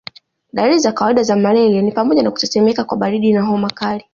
Dalili za kawaida za malaria ni pamoja na kutetemeka kwa baridi na homa kali